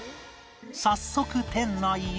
早速店内へ